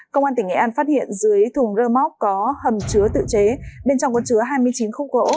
công an tỉnh nghệ an phát hiện dưới thùng rơ móc có hầm chứa tự chế bên trong còn chứa hai mươi chín khúc gỗ